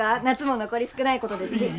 夏も残り少ないことですし。